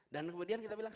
dan kemudian kita bilang